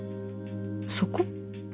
そこ？